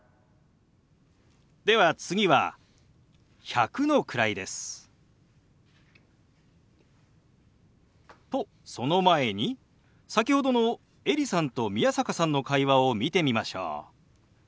では次は１００の位です。とその前に先ほどのエリさんと宮坂さんの会話を見てみましょう。